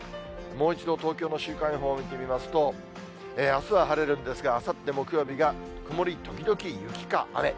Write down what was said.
もう一度東京の週間予報を見てみますと、あすは晴れるんですが、あさって木曜日が曇り時々雪か雨。